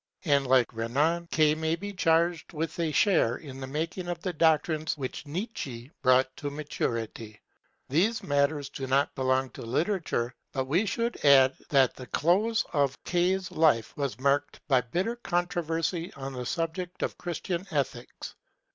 And, like Renan, K, may charged with a share in the making of the doctrines which Nietzsche (q.v.) brought to maturity. These matters do not belong to lit., but we should add that the close of K.'s life was marked by bitter controversy on the subject of Christian ethics.